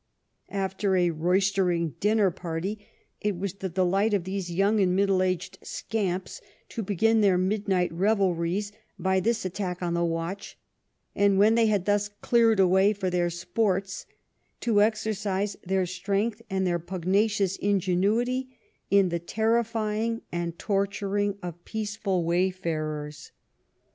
After a roystering dinner party it was the delight of these young and middle aged scamps to begin their midnight revelries by this attack on the watch, and when they had thus cleared a way for their sports to exercise their strength and their pugnacious ingenuity in the terrifying and torturing of peaceful wayfarers.